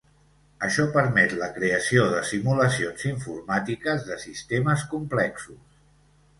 Això permet la creació de simulacions informàtiques de sistemes complexos.